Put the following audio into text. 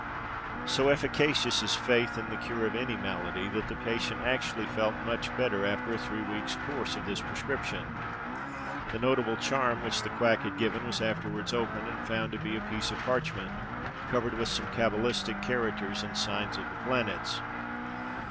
So efficacious is faith in the cure of any malady, that the patient actually felt much better after a three weeks' course of this prescription. The notable charm which the quack had given was afterwards opened, and found to be a piece of parchment covered with some cabalistic characters and signs of the planets.